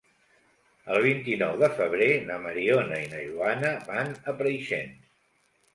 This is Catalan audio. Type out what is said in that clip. El vint-i-nou de febrer na Mariona i na Joana van a Preixens.